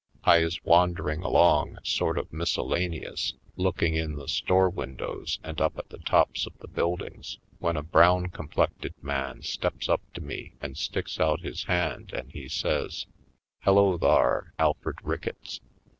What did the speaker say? I is wandering along, sort of miscellaneous, looking in the store windows and up at the tops of the build ings, when a brown Complected man steps up to me and sticks out his hand and he says: "Hello thar', Alfred Ricketts!